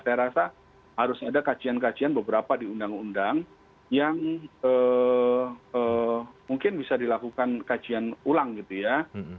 saya rasa harus ada kajian kajian beberapa di undang undang yang mungkin bisa dilakukan kajian ulang gitu ya